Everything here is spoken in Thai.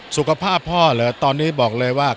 สุขภาพพ่อเหรอตอนนี้บอกเลยว่า